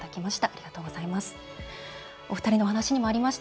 ありがとうございます。